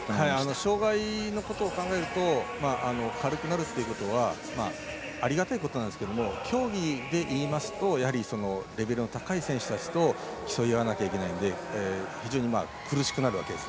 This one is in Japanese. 障がいのことを考えると軽くなるということはありがたいことなんですけども競技でいいますとレベルが高い選手たちと競い合わなきゃいけないので非常に苦しくなるわけです。